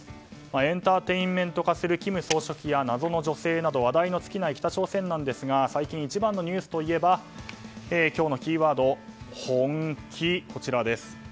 エンターテインメント化する金総書記や謎の女性など話題の尽きない北朝鮮なんですが最近一番のニュースといえば今日のキーワード、ホンキ。